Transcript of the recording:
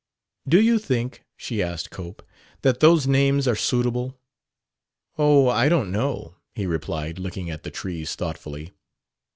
Do you think," she asked Cope, "that those names are suitable?" "Oh, I don't know," he replied, looking at the trees thoughtfully.